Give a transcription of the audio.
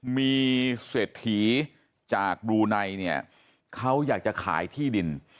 มีเศรษฐีจากบลูไนเนี่ยเขาอยากจะขายที่ดิน